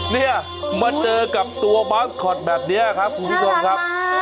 เนี่ยมาเจอกับตัวบาสคอตแบบนี้ครับคุณผู้ชมครับ